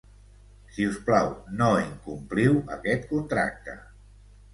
Si us plau, no incompliu aquest contracte.